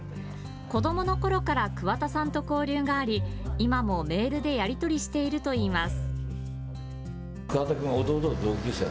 子どものころから桑田さんと交流があり、今もメールでやり取りしているといいます。